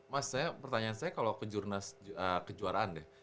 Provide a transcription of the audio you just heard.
mas pertanyaan saya kalau kejuaraan deh